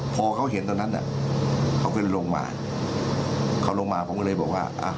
พอเขาเห็นตอนนั้นน่ะเขาขึ้นลงมาเขาลงมาผมก็เลยบอกว่าอ่ะ